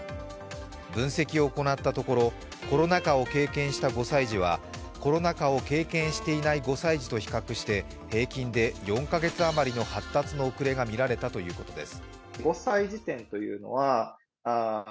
分析を行ったところ、コロナ禍を経験した５歳児はコロナ禍を経験していない５歳児と比較して平均で４か月余りの発達の遅れがみられたということです。